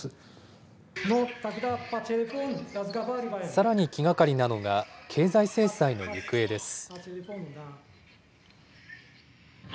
さらに気がかりなのが、経済制裁の行方です。